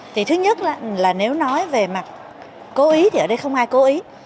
thì thứ nhất là nếu nói về mặt cố ý thì ở đây không ai cố ý